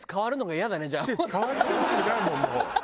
季節変わってほしくないもんもう。